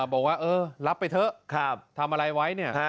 บอกว่าเออรับไปเถอะทำอะไรไว้เนี่ย